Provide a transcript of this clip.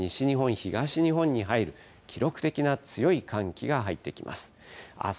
東日本に入り、記録的な強い寒気が入ってきます。